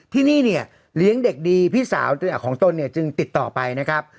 ที่นี่เนี่ยเลี้ยงเด็กดีพี่สาวของตนเนี่ยจึงติดต่อไปนะครับ